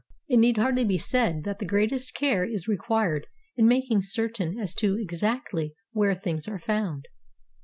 It need hardly be said that the greatest care is re quired in making certain as to exactly where things are found.